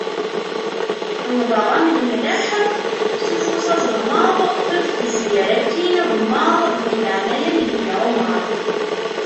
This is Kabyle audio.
Nnḍeɣ-am lemlaḥ, s ufus aẓelmaḍ, tiṭ tezger akkin agemmaḍ, deg laɛnaya n nnbi Ɛumar.